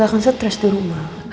gak akan stress di rumah